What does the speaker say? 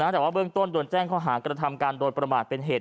แต่ว่าเบื้องต้นโดนแจ้งข้อหากระทำการโดยประมาทเป็นเหตุ